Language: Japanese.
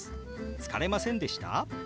「疲れませんでした？」。